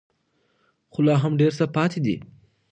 خو لا هم ډېر څه پاتې دي.